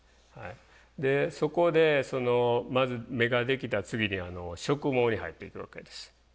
でそこでそのまず目ができた次に植毛に入っていくわけです。